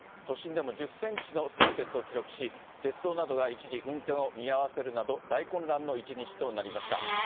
都心でも１０センチの積雪を記録し、鉄道などが一時、運転を見合わせるなど、大混乱の一日となりました。